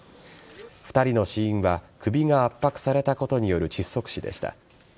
２人の死因は首が圧迫されたことによる窒息死でした。